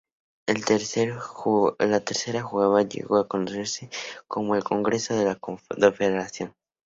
La tercera junta llegó a conocerse como el Congreso de la Confederación.